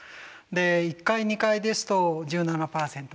１階２階ですと１７％。